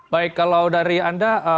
baik kalau dari anda